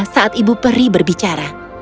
saat ibu peri berbicara